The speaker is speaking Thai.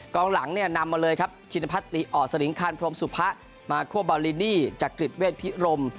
กองหลังนำมาเลยครับชินภัทริอสลิงคันพรมสุภะมาโคบาลินี่จากกฤดเวทพิรม